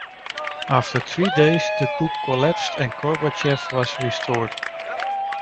After three days the coup collapsed and Gorbachev was restored.